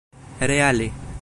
reale